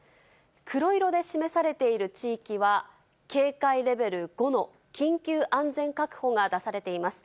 黒色で示されている地域は、警戒レベル５の緊急安全確保が出されています。